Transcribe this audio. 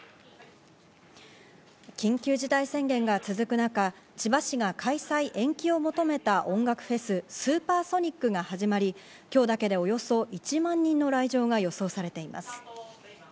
緊急事態宣言が続く中、千葉市が開催延期を求めた音楽フェス、スーパーソニックが始まり、今日だけでおよそ１万人の来場が予想されています。